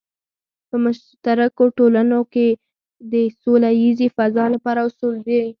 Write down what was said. په مشترکو ټولنو کې د سوله ییزې فضا لپاره اصول دی.